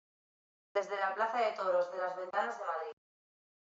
Desde la plaza de toros de Las Ventas de Madrid.